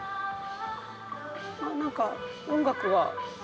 何か音楽が。